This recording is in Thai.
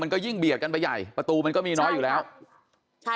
ก็ยิ่งเบียดกันไปใหญ่ประตูมันก็มีน้อยอยู่แล้วใช่